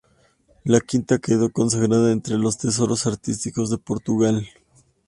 La quinta quedó consagrada entre los tesoros artísticos de Portugal.